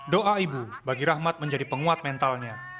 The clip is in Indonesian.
doa ibu bagi rahmat menjadi penguat mentalnya